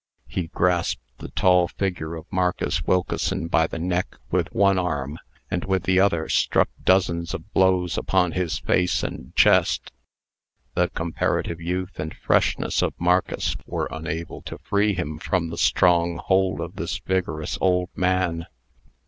He grasped the tall figure of Marcus Wilkeson by the neck with one arm, and with the other struck dozens of blows upon his face and chest. The comparative youth and freshness of Marcus were unable to free him from the strong hold of this vigorous old man.